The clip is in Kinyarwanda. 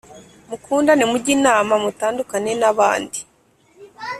mukundane mujye inama mutandukane n’abandi